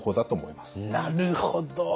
なるほど！